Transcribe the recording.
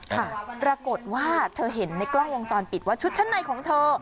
ปรากฏว่าเธอเห็นในกล้องวงจรปิดว่าชุดชั้นในของเธอ